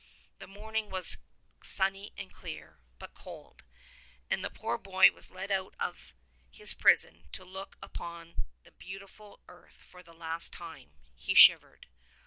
The morning was sunny and clear, but cold, and as the poor boy was led out of his prison to look upon the beautiful earth for the last time, he shivered.